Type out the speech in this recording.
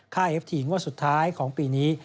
เอฟทีงวดสุดท้ายของปีนี้